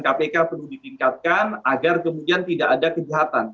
kpk perlu ditingkatkan agar kemudian tidak ada kejahatan